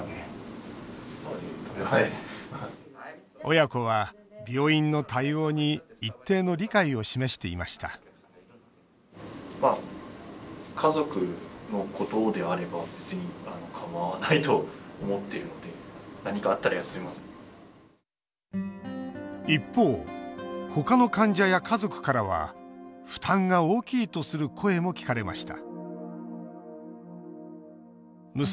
親子は病院の対応に一定の理解を示していました一方ほかの患者や家族からは負担が大きいとする声も聞かれました